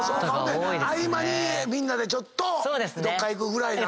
ほんで合間にみんなでちょっとどっか行くぐらいなのか。